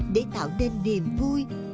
để tạo nên niềm vui